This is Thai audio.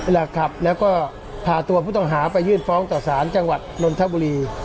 หลักครับแล้วก็พาตัวผู้ต้องหาไปยื่นฟ้องต่อสารจังหวัดนนทบุรี